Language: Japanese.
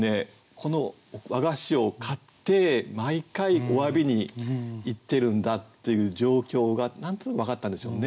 この和菓子を買って毎回おわびに行ってるんだという状況が何となく分かったんでしょうね。